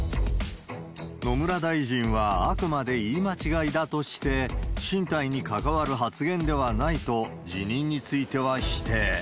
野村大臣は、あくまで言い間違いだとして、進退に関わる発言ではないと、辞任については否定。